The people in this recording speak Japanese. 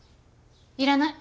いらない。